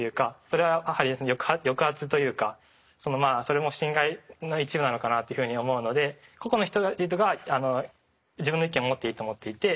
それは抑圧というかそれも侵害の一部なのかなっていうふうに思うので個々の人々が自分の意見を持っていいと思っていて。